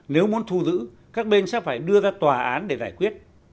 nếu muốn thu giữ các bên sẽ phải đưa ra tòa án để giải quyết